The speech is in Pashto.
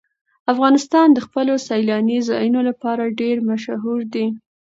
افغانستان د خپلو سیلاني ځایونو لپاره ډېر مشهور دی.